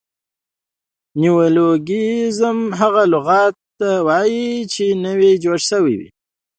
نیولوګیزم هغه لغت ته وایي، چي نوي جوړ سوي يي.